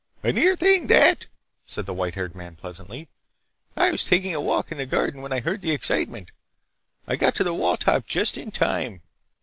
"A near thing, that!" said the white haired man pleasantly. "I was taking a walk in the garden when I heard the excitement. I got to the wall top just in time."